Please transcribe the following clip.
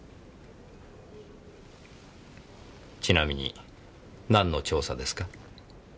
ちなみに何の調査ですか？